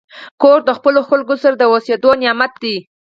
کور د خپلو خلکو سره د اوسېدو نعمت دی.